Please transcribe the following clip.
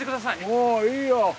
もういいよ